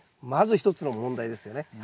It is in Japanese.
まず一つの問題ですよね。